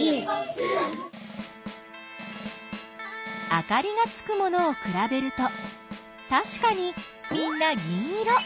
あかりがつくものをくらべるとたしかにみんな銀色。